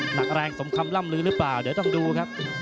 หนักแรงสมคำล่ำลือหรือเปล่าเดี๋ยวต้องดูครับ